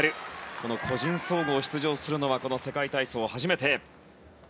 この個人総合、出場するのはこの世界体操初めて。